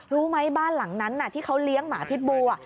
รู้ไหมบ้านหลังนั้นที่เขาเลี้ยงหมาพิษบู